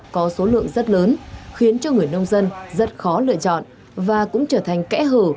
có số lượng rất lớn khiến cho người nông dân rất khó lựa chọn và cũng trở thành kẽ hở